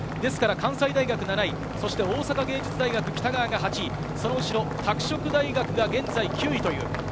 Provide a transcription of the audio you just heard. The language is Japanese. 関西大学７位、大阪芸術大学・北川が８位、その後ろ、拓殖大学、現在９位です。